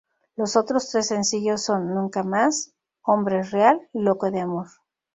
Los otros tres sencillos son: Nunca Más-Hombre Real-Loco de amor.